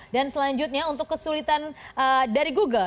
dan selanjutnya untuk kesulitan dari google